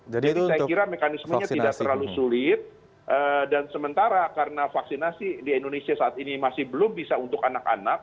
jadi saya kira mekanismenya tidak terlalu sulit dan sementara karena vaksinasi di indonesia saat ini masih belum bisa untuk anak anak